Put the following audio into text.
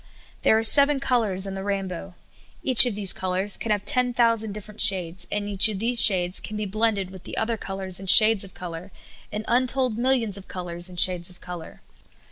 There are seven colors in the rainbow. Each of these colors can have ten thousand different shades, and each of these shades can be blended with the other col ors and vShades of color in untold millions of colors and shades of color.